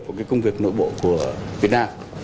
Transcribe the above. của công việc nội bộ của việt nam